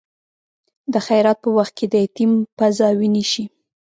د خیرات په وخت کې د یتیم پزه وینې شي.